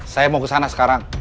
saya mau kesana sekarang